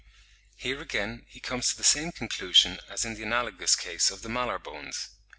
Here again he comes to the same conclusion as in the analogous case of the malar bones.